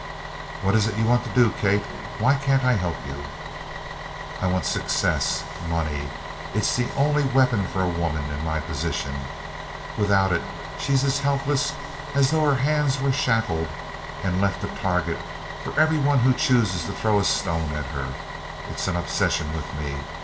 "What is it you want to do, Kate? Why can't I help you?" "I want success money! It's the only weapon for a woman in my position. Without it she's as helpless as though her hands were shackled and left a target for every one who chooses to throw a stone at her. It's an obsession with me.